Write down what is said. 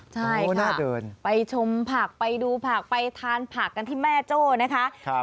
ใช่ค่ะไปชมผักไปดูผักไปทานผักกันที่แม่โจ้นะคะครับ